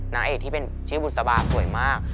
หน้าเอกที่เป็นชีวบุญสบายผ่วยมาก